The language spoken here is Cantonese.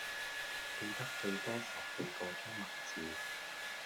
記得最多十四個中文字